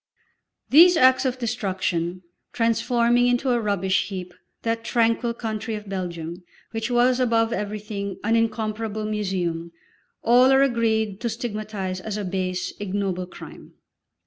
These acts of destruction, transforming into a rubbish heap that tranquil country of Belgium, which was above everything an incomparable museum, all are agreed to stigmatise as a base, ignoble crime.